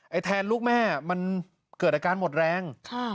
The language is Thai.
แทนลูกแม่มันเกิดอาการหมดแรง